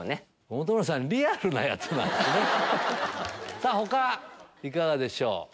さぁ他いかがでしょう？